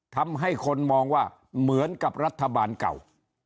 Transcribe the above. ทำให้คนมองว่าเหมือนกับรัฐบาลเก่า